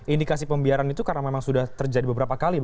indikasi pembiaran itu karena memang sudah terjadi beberapa kali